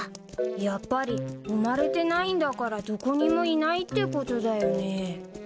やっぱり生まれてないんだからどこにもいないってことだよね。でしょうね。